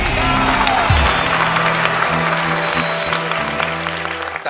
ใช้ค่ะ